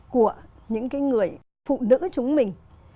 của những cái người phụ nữ chúng mình